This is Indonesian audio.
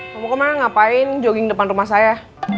kamu kemarin ngapain jogging depan rumah saya